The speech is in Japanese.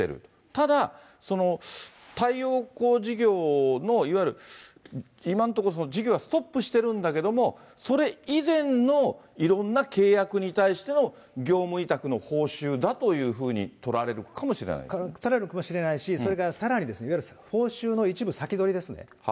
ただ、太陽光事業のいわゆる今のところ、その事業がストップしてるんだけれども、それ以前のいろんな契約に対しての業務委託の報酬だというふうに取られるかもしれないし、それからさらに、いわゆる報酬の一部先取りですね。